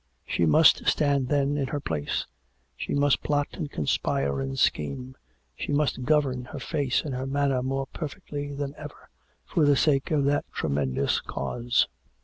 She must stand, then, in her place; she must plot and conspire and scheme; she must govern her face and her manner more perfectly than ever, for the sake of that tremendous Cause.